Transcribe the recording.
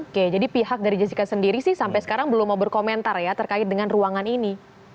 oke jadi pihak dari jessica sendiri sih sampai sekarang belum mau berkomentar ya terkait dengan ruangan ini